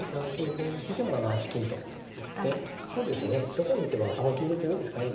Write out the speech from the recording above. どこに行っても頭金で詰みですかね。